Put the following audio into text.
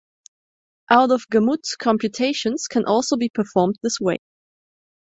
Out-of-gamut computations can also be performed this way.